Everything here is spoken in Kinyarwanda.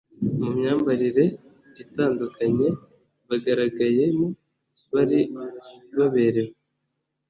Mumyambarire itandukanye bagaragayemo bari baberewe